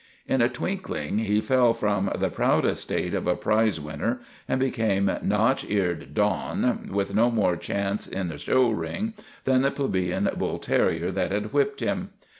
In a twinkling he fell from the proud estate of a prize winner and became notch eared Don with no more chance in the show ring than the plebeian bull terrier that had whipped him.